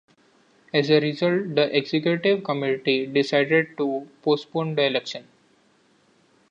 As a result, the executive committee decided to postpone the election.